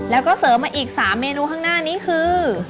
แล้วก็เสริมมาอีก๓เมนูข้างหน้านี้คือ